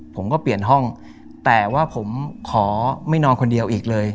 ผมก็เปลี่ยนห้องแต่ว่าผมขอไม่นอนคนเดียวอีกเลย